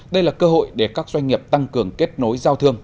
đây là cơ hội để các doanh nghiệp tăng cường kết nối giao thương